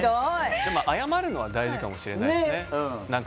でも、謝るのは大事かもしれないですね。